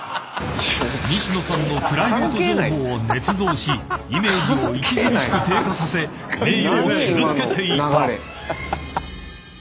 ［西野さんのプライベート情報を捏造しイメージを著しく低下させ名誉を傷つけていた］